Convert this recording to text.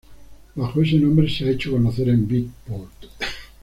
Bajo este nombre, se ha hecho conocer en Beatport.